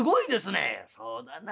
「そうだな。